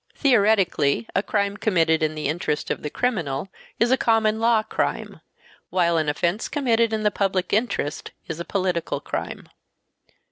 . theoretically a crime committed in the interest of the criminal is a common law crime, while an offense committed in the public interest is a political crime."